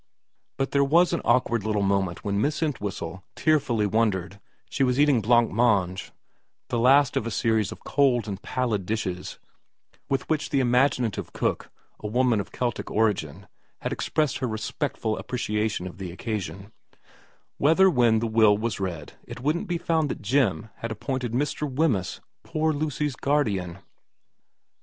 But there was an awkward little moment when Miss Entwhistle tearfully wondered she was eating blanc mange, the last of a series of cold and pallid dishes with which the imaginative cook, a woman of Celtic origin, had expressed her respectful appreciation of the occasion whether when the will was read it wouldn't be found that Jim had appointed Mr. Wemyss poor Lucy's guardian.